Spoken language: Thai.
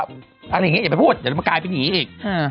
อะไรอย่างนี้อย่าไปพูดเดี๋ยวจะมากลายเป็นอย่างนี้อีก